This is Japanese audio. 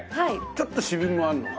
ちょっと渋みもあるのかな？